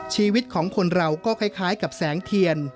ชีวิตของคนเราก็คล้ายกับแสงเทียน